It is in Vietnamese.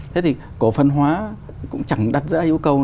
thế thì cổ phần hóa cũng chẳng đặt ra yêu cầu